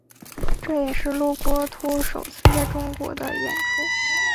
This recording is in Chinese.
这也是罗伯托首次在中国的演出。